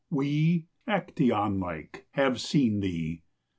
we, Aktaion like, have seen thee.